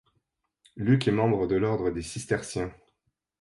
Luc est membre de l'ordre des cisterciens.